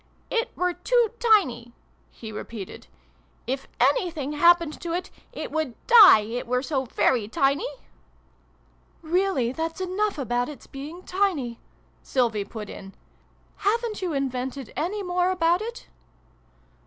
"It were too tiny," he repeated. " If anything happened to it, it would die it were so very tiny !"" Really that's enough about its being tiny !" Sylvie put in. " Haven't you invented any more about it